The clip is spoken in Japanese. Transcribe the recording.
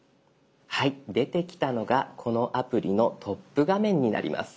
はい出てきたのがこのアプリのトップ画面になります。